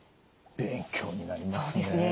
勉強になりますね。